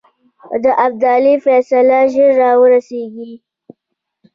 د ابدالي فیصله ژر را ورسېږي.